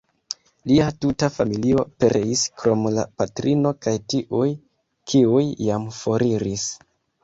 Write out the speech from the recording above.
Lia tuta familio pereis krom la patrino kaj tiuj, kiuj jam foriris.